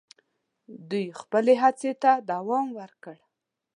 دوی خپلي هڅي ته دوم ورکړ.